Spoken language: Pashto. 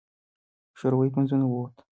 شوروي پوځونه ووته.